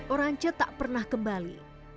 orang cofaot tak pernah kembali